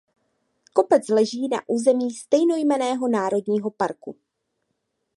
Kopec leží na území stejnojmenného národního parku.